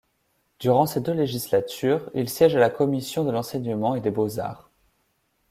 Durant ces deux législatures, il siège à la Commission de l'Enseignement et des Beaux-Arts.